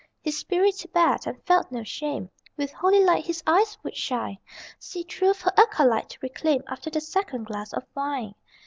His spirit bared, and felt no shame: With holy light his eyes would shine See Truth her acolyte reclaim After the second glass of wine!